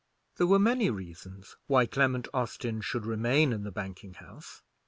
There were many reasons why Clement Austin should remain in the banking house.